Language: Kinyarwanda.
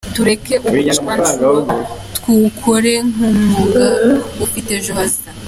Tureke ubucanshuro tuwukore nkumwuga ufite ejo heza